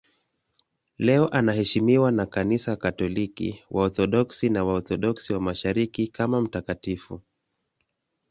Leo anaheshimiwa na Kanisa Katoliki, Waorthodoksi na Waorthodoksi wa Mashariki kama mtakatifu.